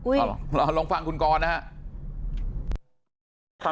เอาลองฟังคุณกรนะฮะ